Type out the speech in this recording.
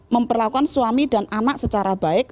memperlakukan suami dan anak secara baik